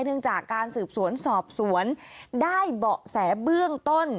เนื่องจากการสืบสวนสอบสวนได้เบาะแสเบื้องต้น